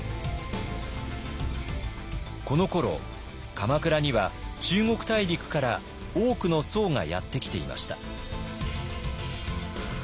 このころ鎌倉には中国大陸から多くの僧がやって来ていました。